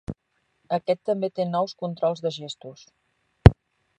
Aquest també té nous controls de gestos.